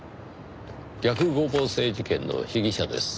逆五芒星事件の被疑者です。